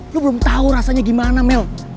lu belum tahu rasanya gimana mel